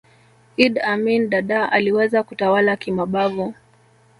idd amin dada aliweza kutawala kimabavu